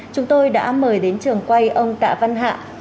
chúng tôi đã mời đến trường quay ông tạ văn hạ